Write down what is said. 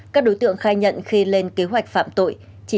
các đối tượng khai nhận khi lên kế hoạch phạm tội